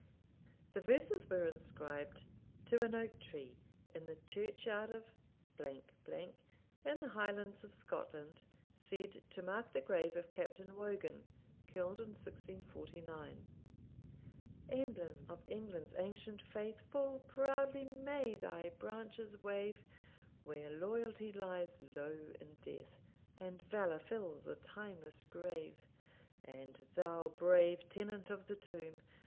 The verses were inscribed, To an Oak Tree In the Church Yard of , in the Highlands of Scotland, said to mark the Grave of Captain Wogan, killed in 1649. Emblem of England's ancient faith, Full proudly may thy branches wave, Where loyalty lies low in death, And valour fills a timeless grave. And thou, brave tenant of the tomb!